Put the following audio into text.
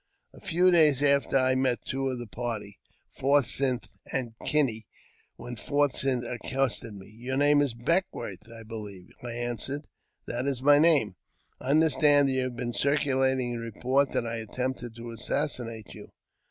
A few days after I met two of the party (Forsyth and Kinney), when Forsyth accosted me, " Your name is Beck wourth, I believe ?" I answered, " That is my name." " I understand that you have been circulating the report that I attempted to assassinate you